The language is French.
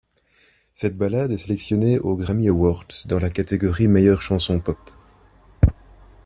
Cette ballade est sélectionnée aux Grammy Awards dans la catégorie meilleure chanson pop.